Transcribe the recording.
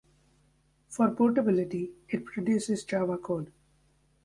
For portability, it produces Java code.